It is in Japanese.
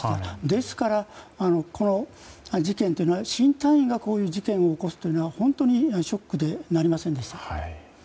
ですから、この事件というのは新隊員がこういう事件を起こすというのは本当にショックでなりませんでした。